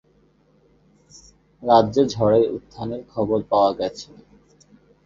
রাজ্যে ঝড়ের উত্থানের খবর পাওয়া গেছে।